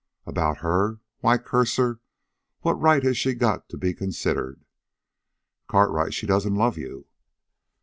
"About her? Why, curse her, what right has she got to be considered?" "Cartwright, she doesn't love you."